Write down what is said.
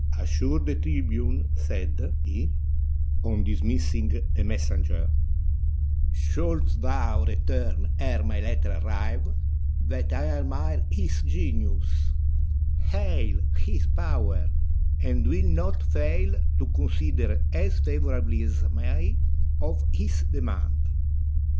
"Assure the tribune," said he, on dismissing the messenger, "shouldst thou return ere my letter arrive, that I admire his genius, hail his power, and will not fail to consider as favorably as I may of his demand."